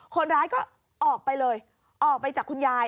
คนร้ายก็ออกไปเลยออกไปจากคุณยาย